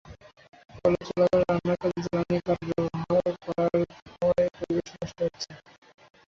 College চলাকালে রান্নার কাজে জ্বালানি কাঠ ব্যবহার করায় ধোঁয়ায় পরিবেশ নষ্ট হচ্ছে।